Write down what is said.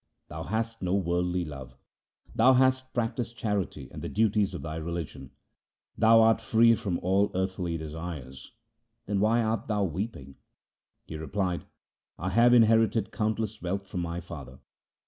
' Thou hast no worldly love ; thou hast practised charity and the duties of thy religion ; thou art free from all earthly desires ; then why art thou weeping ?' He replied, ' I have inherited countless wealth from my father.